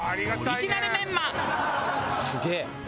「すげえ！」